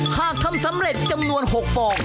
หากทำสำเร็จจำนวน๖ฟอง